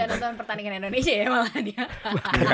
jangan nonton pertandingan indonesia ya malah dia